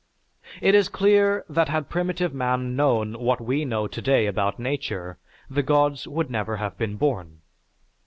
It is clear that had primitive man known what we know today about nature, the gods would never have been born.